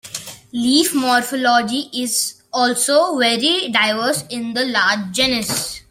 Leaf morphology is also very diverse in this large genus.